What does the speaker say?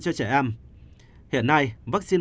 cho trẻ em hiện nay vaccine